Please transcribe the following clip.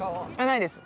ないです。